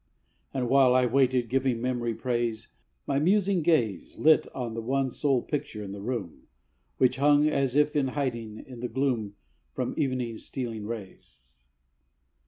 And while I waited, giving memory praise, My musing gaze Lit on the one sole picture in the room, Which hung, as if in hiding, in the gloom From evening's stealing rays.